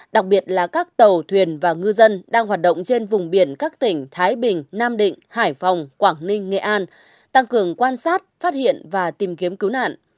đặc biệt là các tàu thuyền và ngư dân đang hoạt động trên vùng biển các tỉnh thái bình nam định hải phòng quảng ninh nghệ an tăng cường quan sát phát hiện và tìm kiếm cứu nạn